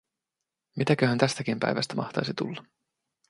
Mitäköhän tästäkin päivästä mahtaisi tulla?